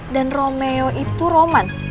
dan romeo itu roman